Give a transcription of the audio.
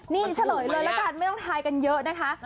นี่เฉลยเลยละกันไม่ต้องทายกันเยอะนะคะ